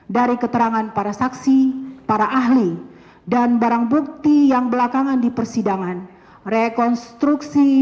dari keterangan para saksi para ahli dan barang bukti yang belakangan di persidangan rekonstruksi